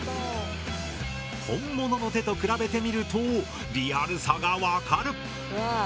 本物の手と比べてみるとリアルさが分かる。